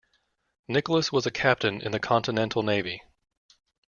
Nicholson was a captain in the Continental Navy.